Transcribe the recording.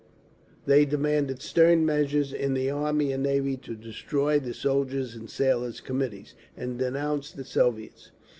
They demanded stern measures in the Army and Navy to destroy the Soldiers' and Sailors' Committees, and denounced the Soviets.